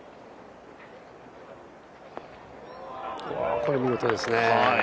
これ、見事ですね。